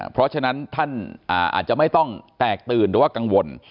เพราะฉะนั้นท่านอาจจะไม่ต้องแตกตื่นหรือว่ากังวล